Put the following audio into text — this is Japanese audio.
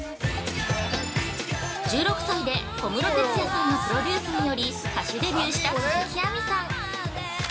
１６歳で小室哲哉さんのプロデュースにより歌手デビューした鈴木亜美さん。